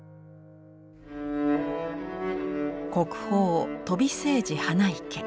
国宝飛青磁花生。